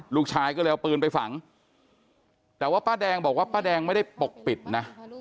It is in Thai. ลูกชายก็เลยเอาปืนไปฝังแต่ว่าป้าแดงบอกว่าป้าแดงไม่ได้ปกปิดนะ